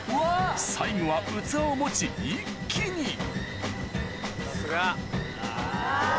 最後は器を持ち一気にさすが。